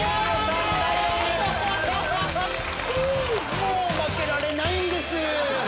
もう負けられないんですぅ！